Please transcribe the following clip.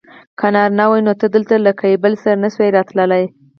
که نارینه وای نو ته دلته له کیبل سره نه شوای راتلای.